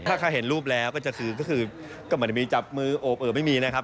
ถ้าใครเห็นรูปแล้วก็จะคือก็คือก็ไม่ได้มีจับมือโอบเอ่อไม่มีนะครับ